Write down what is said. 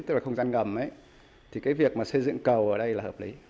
tức là không gian ngầm thì việc xây dựng hầm là hợp lý